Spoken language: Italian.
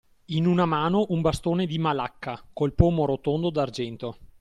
In una mano un bastone di malacca col pomo rotondo d'argento.